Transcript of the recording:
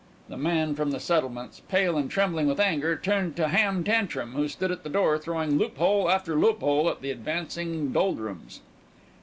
The man from the settlements, pale and trembling with anger, turned to Ham Tantrum, who stood at the door throwing loophole after loophole at the advancing Doldrums.